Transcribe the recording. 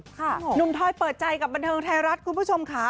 หนุ่มทอยเปิดใจกับบันเทิงไทยรัฐคุณผู้ชมค่ะ